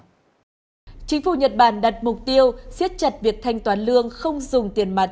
chính phủ nhật bản đặt mục tiêu siết chặt việc thanh toán lương không dùng tiền mặt